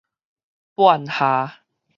半夏